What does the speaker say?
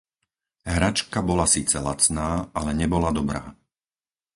Hračka bola síce lacná, ale nebola dobrá!